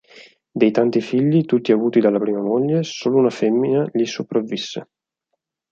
Dei tanti figli, tutti avuti dalla prima moglie, solo una femmina gli sopravvisse.